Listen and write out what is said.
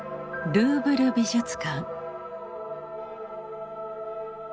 ルーブル美術館。